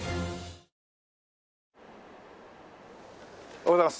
おはようございます。